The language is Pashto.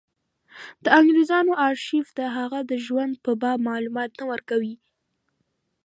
د انګرېزانو ارشیف د هغه د ژوند په باب معلومات نه ورکوي.